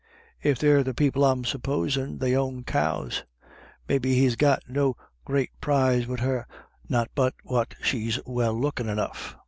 If they're the people I'm supposin', they own cows. Maybe he's got no great prize wid her, not but what she's well lookin' enough.